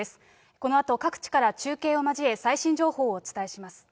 このあと各地から中継を交え、最新情報をお伝えします。